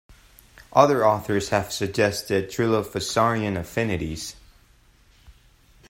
Other authors have suggested trilophosaurian affinities.